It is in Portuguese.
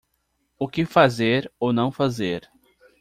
O que fazer ou não fazer